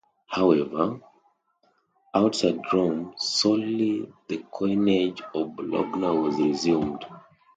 However, outside Rome solely the coinage of Bologna was resumed.